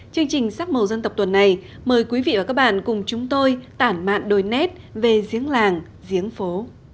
chương trình sắc màu dân tộc tuần này mời quý vị và các bạn cùng chúng tôi tản mạn đồi nét về giếng làng giếng phố